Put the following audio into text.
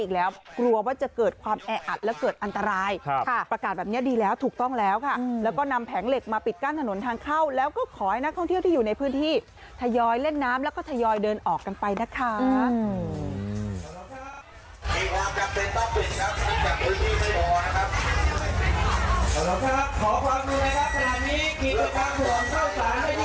ขอบคุณนะครับขอบคุณทุกคนนะครับที่มาเยี่ยมสนุนที่เข้าสานนะครับพบกันใหม่ปีหน้านะครับขอบคุณครับ